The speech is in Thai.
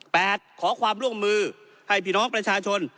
ขอความร่วมมือให้พี่น้องประชาชน